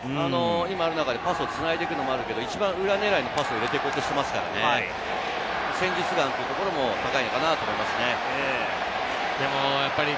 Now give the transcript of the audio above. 今の中でパスを繋いでいくのもあるんですけれど、裏狙いのパスを入れていこうとしてますよね、戦術眼というところも高いなと思いますね。